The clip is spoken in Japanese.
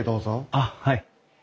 あっはい。